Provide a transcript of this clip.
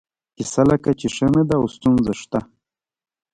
کیسه لکه چې ښه نه ده او ستونزه شته.